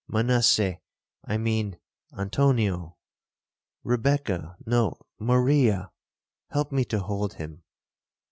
Manasseh,—I mean Antonio,—Rebekah,—no, Maria, help me to hold him.